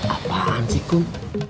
apaan sih kum